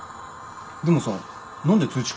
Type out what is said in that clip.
でもさ何で通知